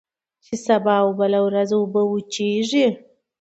چي سبا او بله ورځ اوبه وچیږي